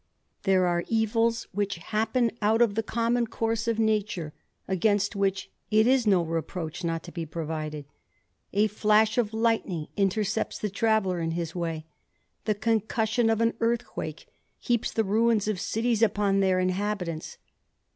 There are evils which happen out of the common course of nature, against which it is no reproach not to be provided. A flash of lightning intercepts the traveller in his way ; the concussion of an earthquake heaps the ruins of cities upon fteir inhabitants.